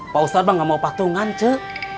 pak ustadz mah gak mau patungan cu